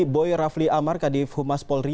boy rafli amar kadif humas polri